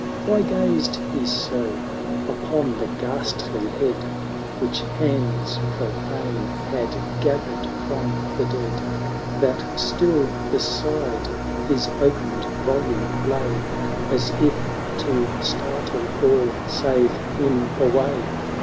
Why gazed he so upon the ghastly head ' Which hands profane had gathered from the dead, That still beside his opened volume lay. As if to startle all save him away?